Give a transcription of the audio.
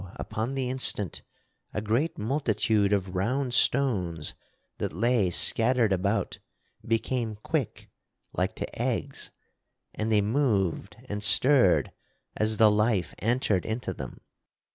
upon the instant, a great multitude of round stones that lay scattered about became quick, like to eggs; and they moved and stirred as the life entered into them.